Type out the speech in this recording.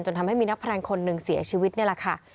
ทำให้มีนักพนันคนหนึ่งเสียชีวิตนี่แหละค่ะ